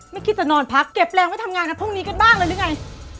คิดจะนอนพักเก็บแรงไว้ทำงานกันพรุ่งนี้กันบ้างเลยหรือไง